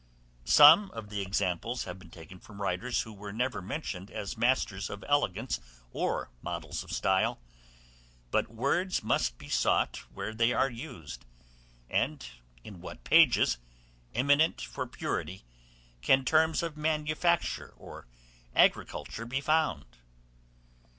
Some of the examples have been taken from writers who were never mentioned as masters of elegance, or models of style; but words must be sought where they are used; and in what pages, eminent for purity, can terms of manufacture or agriculture be found?